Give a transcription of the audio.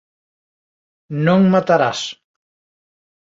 Non matarás